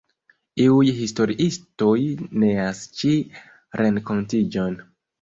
Iuj historiistoj neas ĉi renkontiĝon.